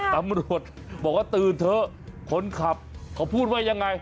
ตำรวจบอกว่าตื่นเถอะคนขับเขาพูดว่ายังไง